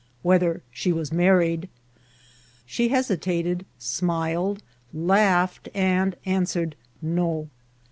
whether she was married. She hesitated, smiledi laughed, and answered no.